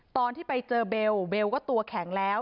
ตอนที่ไปเจอเบลเบลก็ตัวแข็งแล้ว